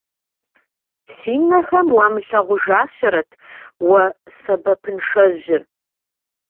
Си нэхэм уамылъагъужащэрэт уэ сэбэпыншэжьыр!